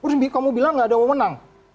terus kamu bilang gak ada yang mau menang